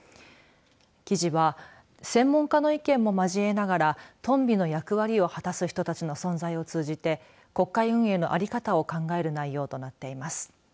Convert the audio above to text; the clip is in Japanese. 記事は専門家の意見も交えながらトンビの役割を果たす人たちの存在を通じて国会運営の在り方を考える内容となっています。